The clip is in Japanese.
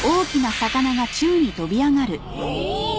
おお！